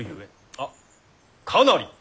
あっかなり。